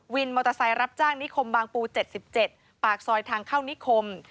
มอเตอร์ไซค์รับจ้างนิคมบางปู๗๗ปากซอยทางเข้านิคม